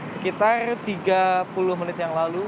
sekitar tiga puluh menit yang lalu